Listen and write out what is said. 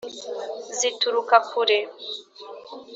zituruka kure